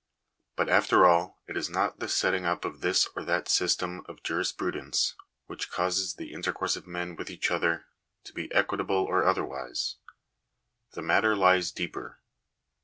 But, after all, it is not the setting up of this or that system of jurisprudence which causes the intercourse of men with each other to be equitable or otherwise. The matter lies deeper.